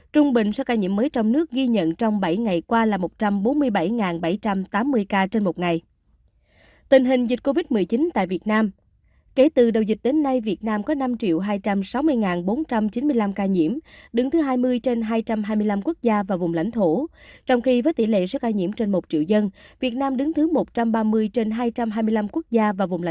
trung bình số ca nhiễm mới trong nước ghi nhận trong bảy ngày qua là